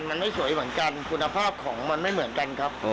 มันไม่สวยเหมือนกันคุณภาพของมันไม่เหมือนกันครับ